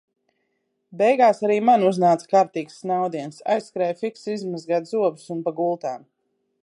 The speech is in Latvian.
Beigās arī man uznāca kārtīgs snaudiens, aizskrēju fiksi izmazgāt zobus un pa gultām.